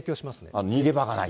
逃げ場がない、